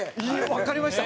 わかりました？